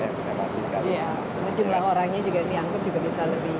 iya jumlah orang yang dianggap juga bisa lebih